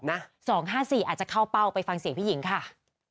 ๒๕๔อาจจะเข้าเป้าไปฟังเสียงพี่หญิงค่ะ